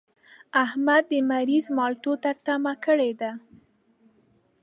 احمد د مريض مالټو ته تمه کړې ده.